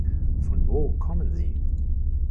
Von wo kommen Sie?